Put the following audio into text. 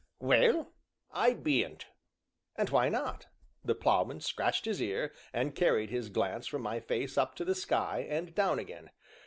"Well, I bean't." "And why not?" The Ploughman scratched his ear, and carried his glance from my face up to the sky, and down again.